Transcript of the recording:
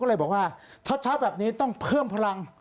ก็เลยบอกว่าเช้าแบบนี้ต้องเพิ่มพลัง